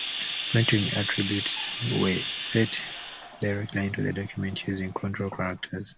Printing attributes were set directly into the document using control characters.